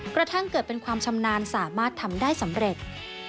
กระทั่งเกิดเป็นความชำนาญสามารถทำได้สำเร็จ